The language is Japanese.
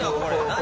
何？